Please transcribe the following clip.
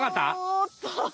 おっと。